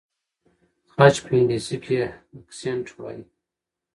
خج ته په انګلیسۍ کې اکسنټ وایي.